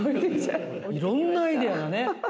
いろんなアイデアがね。